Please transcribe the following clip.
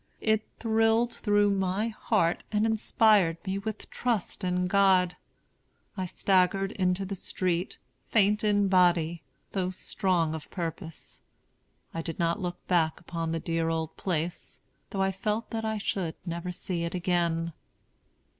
It thrilled through my heart and inspired me with trust in God. I staggered into the street, faint in body, though strong of purpose. I did not look back upon the dear old place, though I felt that I should never see it again."